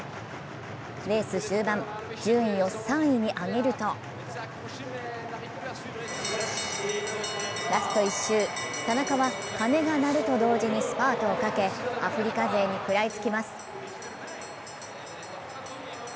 レース終盤、順位を３位に上げるとラスト１周、田中は鐘が鳴ると同時にスパートをかけアフリカ勢に食らいつきます。